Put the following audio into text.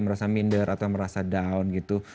merasa minder atau merasa down gitu